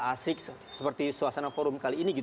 asik seperti suasana forum kali ini